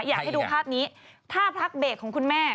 อยากให้ดูภาพนี้ท่าพักเบรกของคุณแม่